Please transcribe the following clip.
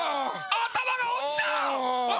頭が落ちた！